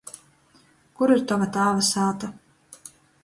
Kur ir tova tāva sāta?